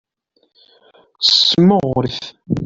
Semɣer-it.